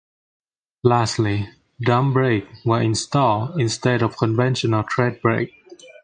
Lastly, drum brakes were installed instead of conventional tread brakes.